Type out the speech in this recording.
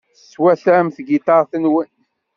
Teswatam tigiṭarin-nwen.